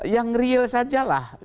yang real sajalah